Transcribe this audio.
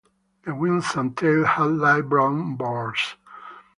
The wings and tail had light brown bars.